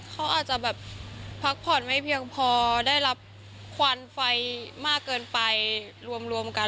เขาอาจจะแบบพักผ่อนไม่เพียงพอได้รับควันไฟมากเกินไปรวมกัน